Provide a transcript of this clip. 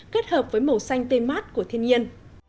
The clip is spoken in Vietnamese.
kết hợp với màu xanh tươi mát của thiên nhiên